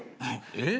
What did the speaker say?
えっ？